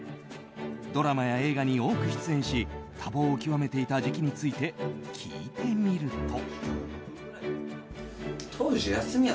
ドラマや映画に多く出演し多忙を極めていた時期について聞いてみると。